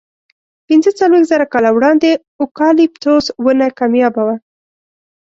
پینځهڅلوېښت زره کاله وړاندې اوکالیپتوس ونه کمیابه وه.